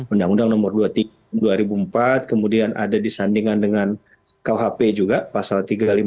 undang undang nomor dua ribu empat kemudian ada disandingkan dengan kuhp juga pasal tiga ratus lima puluh